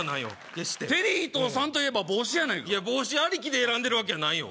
決してテリー伊藤さんといえば帽子やないか帽子ありきで選んでるわけやないよ